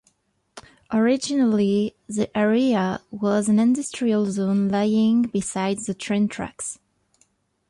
Originally the area was an industrial zone lying beside the train tracks.